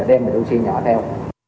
để đem bệnh oxy nhỏ theo